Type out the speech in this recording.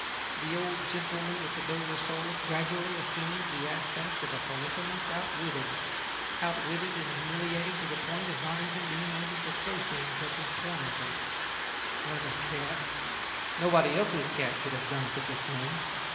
The old gentleman with the Dover sole gradually assumes the aspect of a Polyphemus outwitted outwitted and humiliated to the point of not even being able to throw things after his tormentor. Clever cat! Nobody else's cat could have done such a thing.